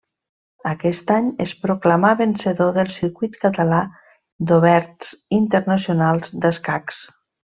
Aquest any es proclamà vencedor del Circuit Català d'Oberts Internacionals d'Escacs.